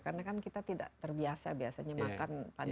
karena kan kita tidak terbiasa biasanya makan pada dini